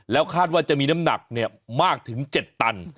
แล้วคาดว่าจะมีน้ำหนักมากถึง๗ตัน